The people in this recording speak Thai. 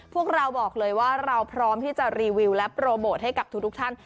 พวกเราบอกเลยว่าเราพร้อมที่จะรีวิวและโปรโมทให้กับทุกท่าน